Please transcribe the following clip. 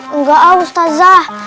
enggak ah ustadzah